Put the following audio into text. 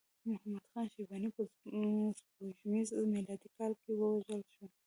محمد خان شیباني په سپوږمیز میلادي کال کې ووژل شو.